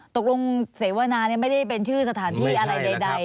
ตกลงเสวนาไม่ได้เป็นชื่อสถานที่อะไรใด